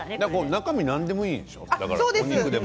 中身は何でもいいんでしょう？